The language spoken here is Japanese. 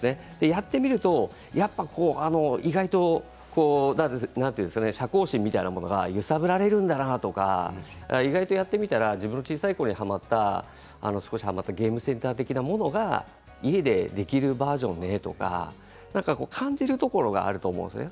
やってみると意外と射幸心みたいなものが揺さぶられるんだなとかやってみたら自分の小さいころにはまったゲームセンター的なものが家でできるバージョンね、とか感じるところがあると思うんですね。